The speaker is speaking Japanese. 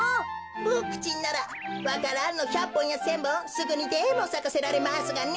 ボクちんならわか蘭の１００ぽんや１，０００ぼんすぐにでもさかせられますがね。